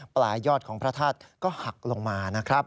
ปลายยอดของพระธาตุก็หักลงมานะครับ